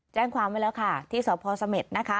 แจ้งความไว้แล้วค่ะที่สพเสม็ดนะคะ